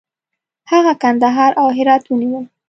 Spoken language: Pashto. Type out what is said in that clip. هغه کندهار او هرات ونیول.